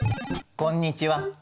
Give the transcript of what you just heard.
こんにちは。